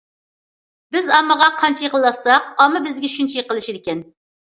بىز ئاممىغا قانچە يېقىنلاشساق، ئاممىمۇ بىزگە شۇنچە يېقىنلىشىدىكەن.